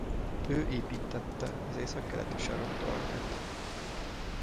Ő építtette az északkeleti sarok tornyát.